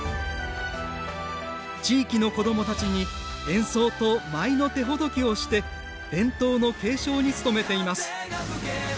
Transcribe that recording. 地域の子どもたちに演奏と舞の手ほどきをして伝統の継承に努めています。